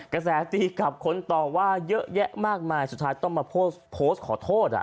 กระแสตีกลับคนต่อว่าเยอะแยะมากมายสุดท้ายต้องมาโพสต์ขอโทษ